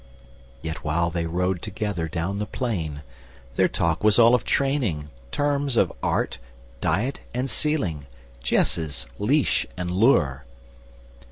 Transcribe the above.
Yet while they rode together down the plain, Their talk was all of training, terms of art, Diet and seeling, jesses, leash and lure.